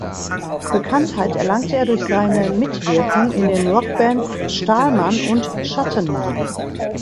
Bekanntheit erlange er durch seine Mitwirkung in den Rockbands Stahlmann und Schattenmann.